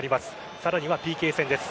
さらにはＰＫ戦です。